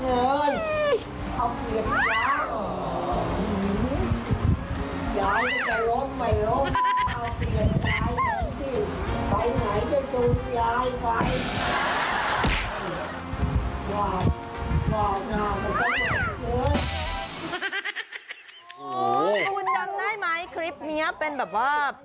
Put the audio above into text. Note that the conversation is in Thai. คุณจำได้ไหมคลิปนี้เป็นแบบว่า